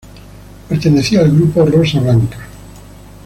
Pertenecía al grupo Rosa Blanca.